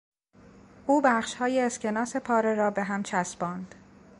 او بخشهای اسکناس پاره را به هم چسباند.